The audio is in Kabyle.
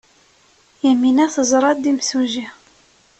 Yamina teẓra-d imsujji.